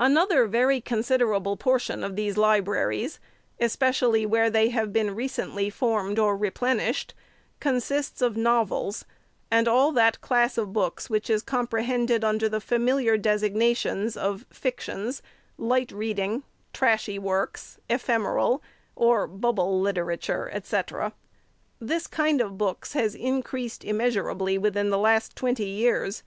Another very considerable portion of these libraries, especially where they have been recently formed or replenished, consists of novels, and all that class of books which is comprehended under the familiar designations of "fictions," "light reading," " trashy works," "ephemeral," or "bubble literature," &c. This kind of books has increased, immeasurably, within the last twenty years.